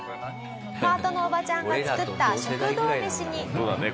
パートのおばちゃんが作った食堂飯に。